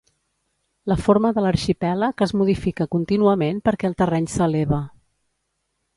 La forma de l'arxipèlag es modifica contínuament perquè el terreny s'eleva.